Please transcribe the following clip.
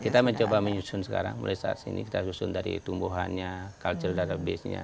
kita mencoba menyusun sekarang mulai saat ini kita susun dari tumbuhannya culture database nya